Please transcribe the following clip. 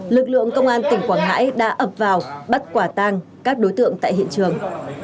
lực lượng công an tỉnh quảng ngãi đã ập vào bắt quả tang các đối tượng tại hiện trường